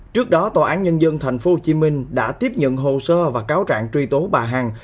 trước đó tòa án nhân dân tp hcm đã tiếp nhận hồ sơ và cáo trạng truy tố bà hằng